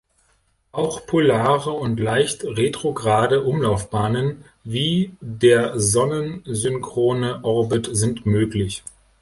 Auch polare und leicht retrograde Umlaufbahnen wie der sonnensynchrone Orbit sind möglich.